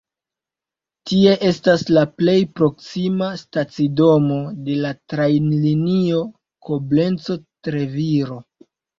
Tie estas la plej proksima stacidomo de la trajnlinio Koblenco-Treviro.